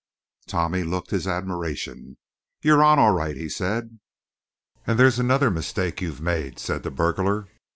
Tommy looked his admiration. "You're on, all right," he said. "And there's another mistake you've made," said the burglar.